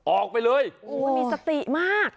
ออกไปเลยโอ้ยมีสติมาก